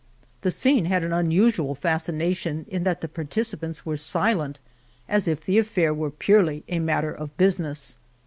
The scene had an unusual fascination in that the participants were silent as if the affair were purely a matter of business.